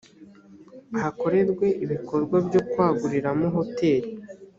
hakorerwe ibikorwa byo kwaguriramo hoteli